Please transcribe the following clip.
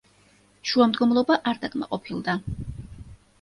შუამდგომლობა არ დაკმაყოფილდა.